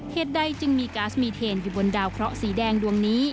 เหตุใดจึงมีก๊าซมีเทนอยู่บนดาวเคราะห์สีแดงดวงนี้